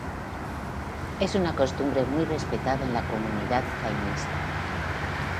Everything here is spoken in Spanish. Es una costumbre muy respetada en la comunidad jainista.